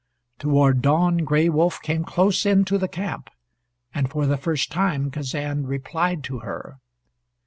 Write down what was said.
Toward dawn Gray Wolf came close in to the camp, and for the first time Kazan replied to her.